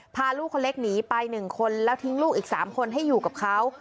พาลูกคนเล็กหนีไป๑คนแล้วทิ้งลูกอีก๓คนให้อยู่กับเขา